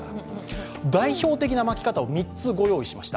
代表的な巻き方を３つご用意しました。